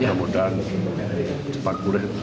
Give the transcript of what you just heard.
kemudian cepat boleh